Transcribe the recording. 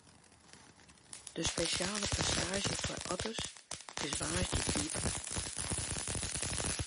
De spesjale passaazje foar otters is woansdei iepene.